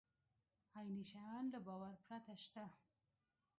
عیني شیان له باور پرته شته.